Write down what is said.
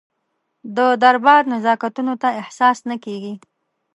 د دربار نزاکتونه ته احساس نه کېږي.